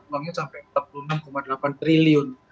harganya sampai rp tiga puluh enam delapan triliun